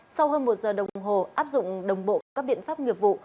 sau hơn một giờ đồng hồ áp dụng đồng bộ các biện pháp nghiệp vụ